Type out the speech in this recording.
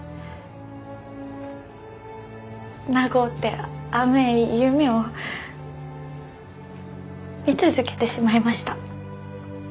長うて甘え夢を見続けてしまいました。